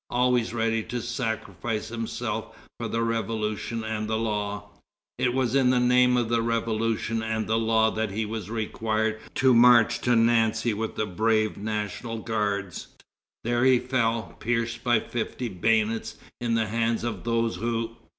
Always ready to sacrifice himself for the Revolution and the law, it was in the name of the Revolution and the law that he was required to march to Nancy with the brave National Guards. There he fell, pierced by fifty bayonets in the hands of those who....